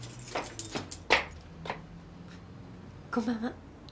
こんばんは。